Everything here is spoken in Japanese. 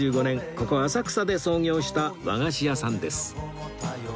ここ浅草で創業した和菓子屋さんです